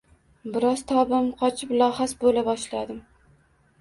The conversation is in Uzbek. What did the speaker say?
Biroz tobim qochib, lohas bo`la boshladim